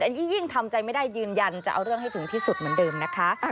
อันนี้ยิ่งทำใจไม่ได้ยืนยันจะเอาเรื่องให้ถึงที่สุดเหมือนเดิมนะคะ